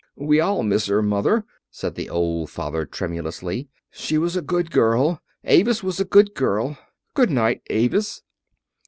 "We all miss her, Mother," said the old father, tremulously. "She was a good girl Avis was a good girl. Good night, Avis!"